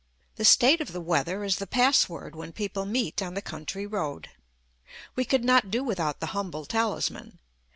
The state of the weather is the password when people meet on the country road: we could not do without the humble talisman.